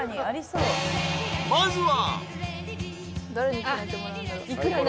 ［まずは］